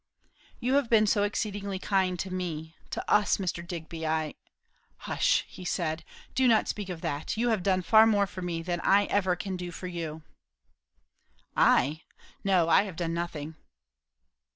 "You have been so exceedingly kind to me, to us, Mr. Digby, I " "Hush," he said. "Do not speak of that. You have done far more for me than I ever can do for you?" "I? No. I have done nothing."